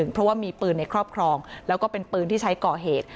เพราะว่ามีปืนในครอบครองแล้วก็เป็นปืนที่ใช้ก่อเหตุ